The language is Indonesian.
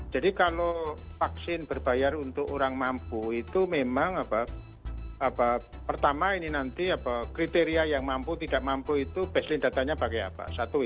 jadi kalau vaksin berbayar untuk orang mampu itu memang pertama ini nanti kriteria yang mampu tidak mampu itu baseline datanya pakai apa